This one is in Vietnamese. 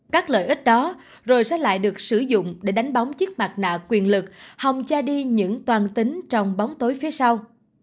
các lợi ích đó rồi sẽ lại được sử dụng để đánh bóng chiếc mặt nạ quyền lực hòng cho đi những toàn tính trong bóng tối phía sau